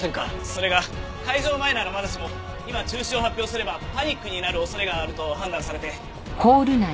それが開場前ならまだしも今中止を発表すればパニックになる恐れがあると判断されて。